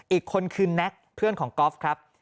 อีกคนคือแน็กเพื่อนของก๊อฟครับ